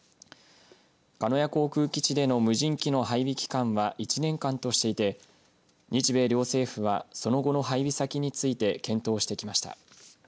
鹿屋航空基地での無人機の配備期間は１年間としていて日米両政府はその後の配備先について検討してきました。